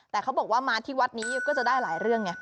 แต่เขาบอกว่ามาที่วัดนี้ก็จะได้หลายเรื่องไง